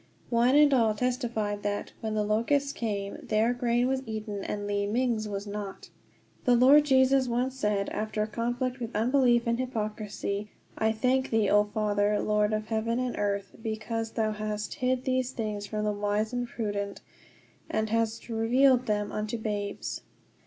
One and all testified that, when the locusts came, their grain was eaten and Li ming's was not. The Lord Jesus once said, after a conflict with unbelief and hypocrisy: "I thank thee, O Father, Lord of heaven and earth, because thou hast hid these things from the wise and prudent, and hast revealed them unto babes."